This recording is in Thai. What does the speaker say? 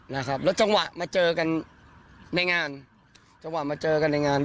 นะครับแล้วจังหวะมาเจอกันในงานจังหวะมาเจอกันในงาน